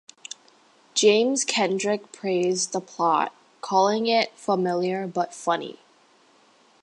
James Kendrick praised the plot, calling it "familiar, but funny".